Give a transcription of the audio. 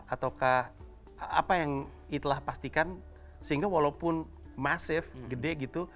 atau apa yang it lah pastikan sehingga walaupun masif gede gitu